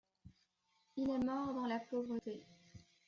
Il est mort dans la pauvreté.